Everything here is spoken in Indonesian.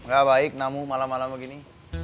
gak baik namu malam malam begini